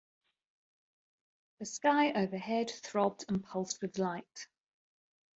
The sky overhead throbbed and pulsed with light.